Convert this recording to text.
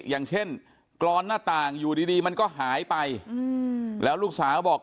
อย่างเช่นกรอนหน้าต่างอยู่ดีมันก็หายไปแล้วลูกสาวบอก